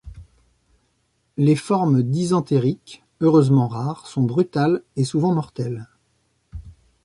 Les formes dysentériques, heureusement rares, sont brutales et souvent mortelles.